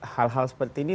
hal hal seperti ini